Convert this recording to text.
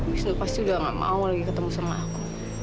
wisnu pasti udah gak mau lagi ketemu sama aku